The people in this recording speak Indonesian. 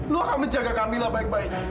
lo akan menjaga camilla baik baik